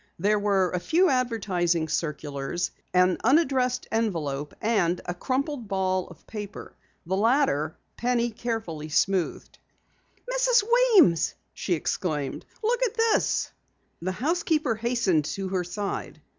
There were a few advertising circulars, an unaddressed envelope and a crumpled ball of paper. The latter, Penny carefully smoothed. "Mrs. Weems!" she exclaimed. "Look at this!" The housekeeper hastened to her side.